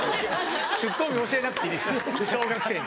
ツッコミ教えなくていいです小学生に。